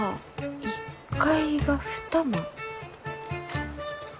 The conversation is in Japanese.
１階は２間？